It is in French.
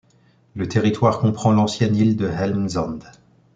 Le territoire comprend l'ancienne île de Helmsand.